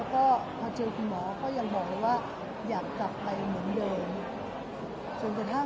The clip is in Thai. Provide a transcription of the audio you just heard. เราก็เริ่มรู้สึกว่าหรือว่าไม่แน่ใจคุณจะเจอใคร